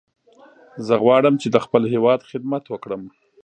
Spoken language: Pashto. زه غواړم چې د خپل هیواد خدمت وکړم.